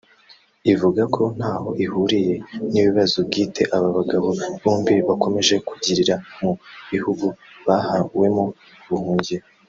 ivuga ko ntaho ihuriye n’ibibazo bwite aba bagabo bombi bakomeje kugirira mu gihugu bahawemo ubuhungiro